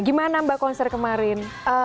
gimana mbak konser kemarin